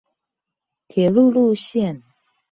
鐵路路線